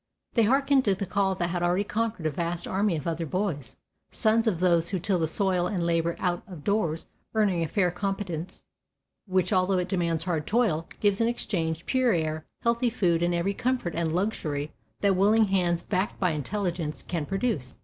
They hearkened to the call that had already conquered a vast army of other boys, sons of those who till the soil and labor out of doors earning a fair competence, which although it demands hard toil, gives in exchange pure air, healthy food and every comfort and luxury that willing hands backed by intelligence can produce.